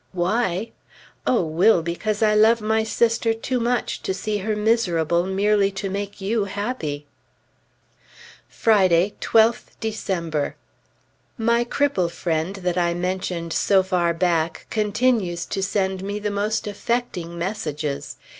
Why? O Will, because I love my sister too much to see her miserable merely to make you happy! Friday, 12th December. My cripple friend that I mentioned so far back continues to send me the most affecting messages.